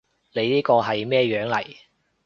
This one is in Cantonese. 你呢個係咩樣嚟？